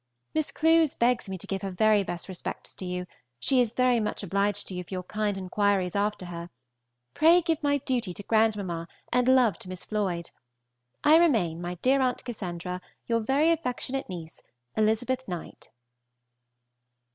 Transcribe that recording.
Miss Clewes begs me to give her very best respects to you; she is very much obliged to you for your kind inquiries after her. Pray give my duty to grandmamma and love to Miss Floyd. I remain, my dear Aunt Cassandra, your very affectionate niece, ELIZTH. KNIGHT.